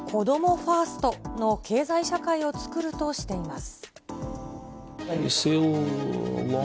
ファーストの経済社会をつくるとしています。